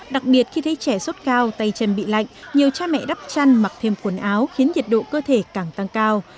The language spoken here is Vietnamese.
đặc biệt khi thấy trẻ sốt cao tay chân bị lạnh nhiều cha mẹ đắp chăn mặc thêm quần áo khiến nhiệt độ cơ thể càng tăng cao